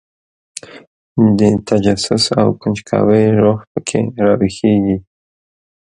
د تجسس او کنجکاوۍ روح په کې راویښېږي.